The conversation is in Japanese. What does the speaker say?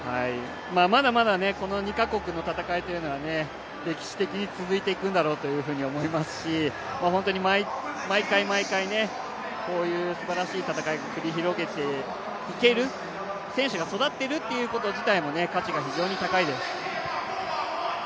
まだまだこの２か国の戦いというのは歴史的に続いていくんだろうと思いますし本当に毎回毎回、こういうすばらしい戦いをしていける、選手が育っているということ自体も価値が非常に高いです。